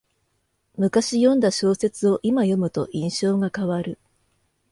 むかし読んだ小説をいま読むと印象が変わる